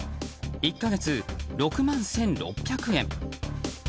１か月、６万１６００円。